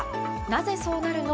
なぜそうなるの？